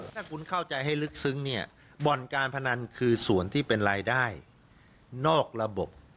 ถ้าคุณเข้าใจให้ลึกซึ้งเนี่ยบ่อนการพนันคือส่วนที่เป็นรายได้นอกระบบ